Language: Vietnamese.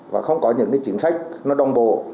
và không có những chính sách nó đồng bộ